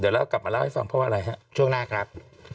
เดี๋ยวเรากลับมาเล่าให้ฟังเพราะว่าอะไรฮะช่วงหน้าครับ